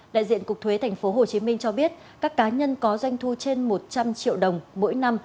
đại diện cục thuế tp hcm cho biết các cá nhân có doanh thu trên một trăm linh triệu đồng mỗi năm